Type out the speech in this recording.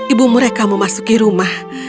ibu mereka memasuki rumah